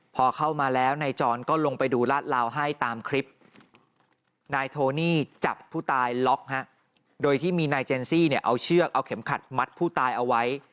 พอเข้ามาแล้วนายจรก็ลงไปดูลาดลาวให้ตามคลิปนายโทนี่จับผู้ตายล็อกโดยที่มีนายเจนซี่เนี่ยเอาเชือกเอาเข็มขัดมัดผู้ตายเอาไว้